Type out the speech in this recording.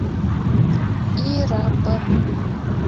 И раббым!